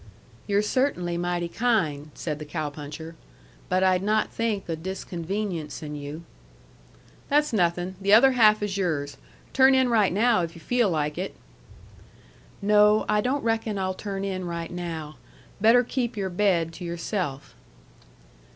"You're cert'nly mighty kind," said the cow puncher. "But I'd not think o' disconveniencing yu'." "That's nothing. The other half is yours. Turn in right now if you feel like it." "No. I don't reckon I'll turn in right now. Better keep your bed to yourself."